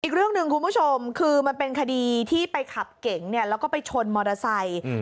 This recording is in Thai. อีกเรื่องหนึ่งคุณผู้ชมคือมันเป็นคดีที่ไปขับเก๋งเนี่ยแล้วก็ไปชนมอเตอร์ไซค์